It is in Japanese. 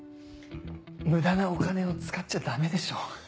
無駄なお金を使っちゃダメでしょ。